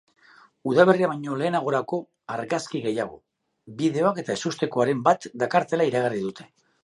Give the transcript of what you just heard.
Udaberria baino lehenagorako argazki gehiago, bideoak eta ezustekoren bat dakartela iragarri dute.